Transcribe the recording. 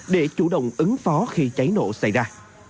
để chủ động ứng phó khi cháy nổ xảy ra